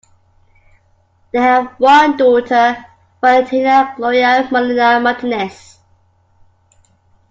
They have one daughter, Valentina Gloria Molina Martinez.